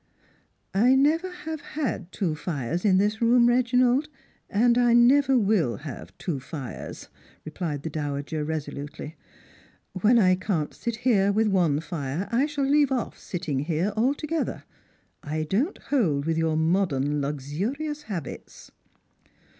"I never have had two fires in this room, Reginald, and I never will have two fires," replied the dowager, resolutely. " When I can't sit here with one fire, I shall leave off sitting here altogether. I don't hold with your modern luxurious habits."